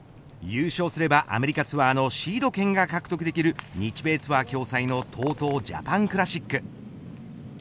優勝すればアメリカツアーのシード権が獲得できる日米ツアー共催のＴＯＴＯジャパンクラシック。